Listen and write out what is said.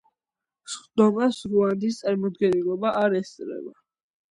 სხდომას რუანდის წარმომადგენლობა არ ესწრებოდა.